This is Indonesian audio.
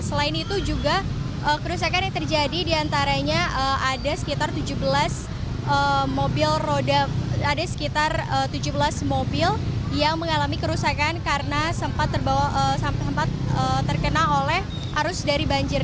selain itu juga kerusakan yang terjadi diantaranya ada sekitar tujuh belas mobil roda ada sekitar tujuh belas mobil yang mengalami kerusakan karena sempat terkena oleh arus dari banjir